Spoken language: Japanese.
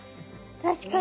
確かに。